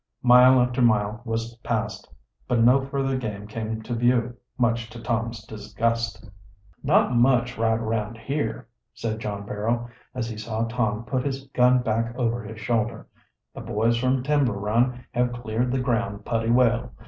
Mile after mile was passed, but no further game came to view, much to Tom's disgust. "Not much right around here," said John Barrow, as he saw Tom put his gun back over his shoulder. "The boys from Timber Run have cleared the ground putty well.